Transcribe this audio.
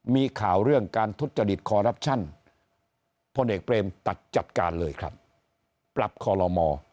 มีข่าวเรื่องการทุจริตคอรัปชั่นพลเอกเปรมตัดจัดการเลยครับปรับคอลโลม